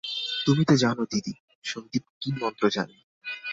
— তুমি তো জান দিদি, সন্দীপ কী মন্ত্র জানে।